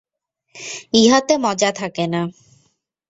ইহাতে মজা থাকে না।